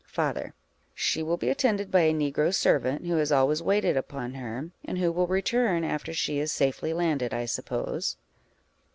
Father. She will be attended by a negro servant, who has always waited upon her; and who will return after she is safely landed, I suppose.